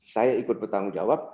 saya ikut bertanggung jawab